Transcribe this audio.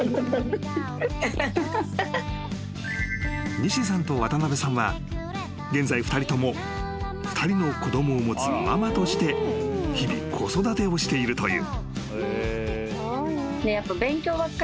［西さんと渡辺さんは現在２人とも２人の子供を持つママとして日々子育てをしているという］